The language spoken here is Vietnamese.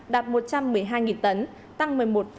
đạt một trăm một mươi hai tấn tăng một mươi một